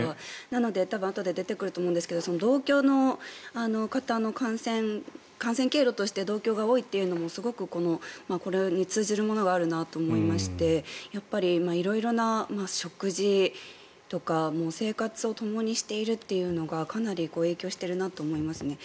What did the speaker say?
なので多分、あとで出てくると思うんですけど同居の方の感染経路として同居が多いというのもすごくこれに通じるものがあるなと思いましてやっぱり色々な食事とか生活をともにしているというのがかなり影響しているなと思いますね。